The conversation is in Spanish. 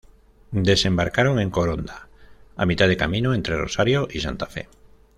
Desembarcaron en Coronda, a mitad de camino entre Rosario y Santa Fe.